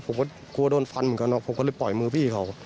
ผมก็กลัวโดนฟันเหมือนกันผมก็เลยปล่อยมือพี่เขา